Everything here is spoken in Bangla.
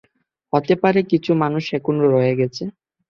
হতে পারে কিছু মানুস এখনো রয়ে গেছে।